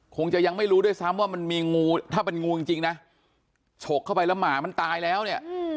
คงจะยังไม่รู้ด้วยซ้ำว่ามันมีงูถ้าเป็นงูจริงนะฉกเข้าไปแล้วหมามันตายแล้วเนี่ย